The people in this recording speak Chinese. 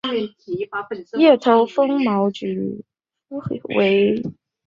叶头风毛菊为菊科风毛菊属的植物。